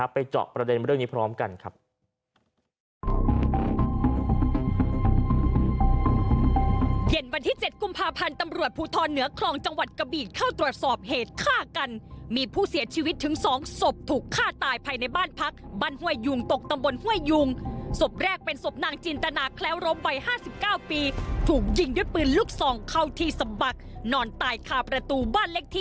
เจาะประเด็นเรื่องนี้พร้อมกันครับ